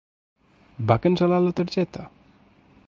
Va cancel·lar la targeta?